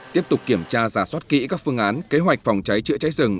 tiếp tục kiểm tra ra soát kỹ các phương án kế hoạch phòng cháy trựa cháy rừng